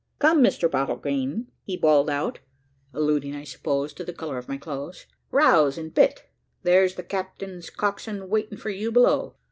"Come, Mr Bottlegreen," he bawled out, alluding, I suppose, to the colour of my clothes, "rouse and bitt. There's the captain's coxswain waiting for you below.